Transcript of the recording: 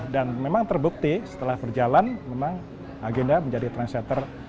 dan memang terbukti setelah berjalan agenda menjadi transitor